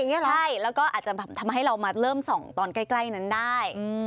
ใช่แล้วก็อาจจะแบบทำให้เรามาเริ่มส่องตอนใกล้นั้นได้